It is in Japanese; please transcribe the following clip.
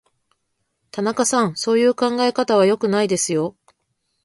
田中さん、そういう考え方は良くないですよ。